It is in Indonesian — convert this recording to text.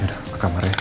yaudah ke kamarnya